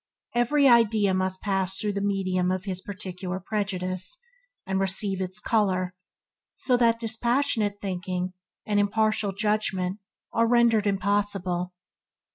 Every idea must pass through the medium of his particular prejudice, and receive its colour, so that dispassionate thinking and impartial judgement are rendered impossible.